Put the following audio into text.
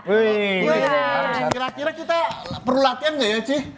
kira kira kita perlu latihan nggak ya sih